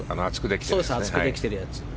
厚くできてるやつね。